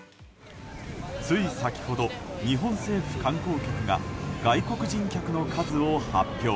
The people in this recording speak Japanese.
つい先ほど、日本政府観光局が外国人客の数を発表。